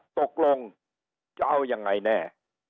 ตกลงจะเอายังไงแน่